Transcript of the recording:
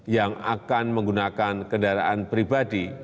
yang akan menggunakan kendaraan pribadi